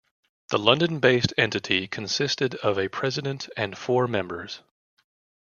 The London-based entity consisted of a president and four members.